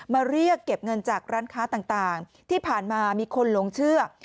มาเรียกเก็บเงินจากร้านค้าต่างที่ผ่านมามีคนหลงเชื่อ